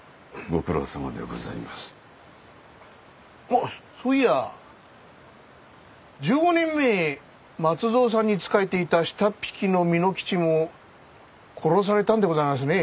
あそういやぁ１５年前松蔵さんに仕えていた下っ引きの蓑吉も殺されたんでございますね。